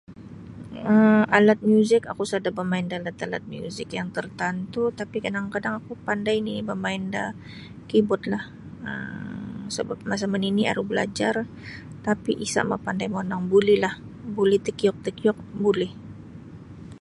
um alat muzik oku sada' bamain da alat-alat muzik yang tartantu' tapi' kadang-kadang oku pandai nini' bamain da keyboardlah um sabap masa manini' aru balajar tapi' isa mapandai monong bulilah buli takiuk-takiuk buli